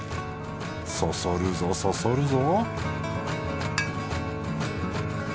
そそるぞそそるぞ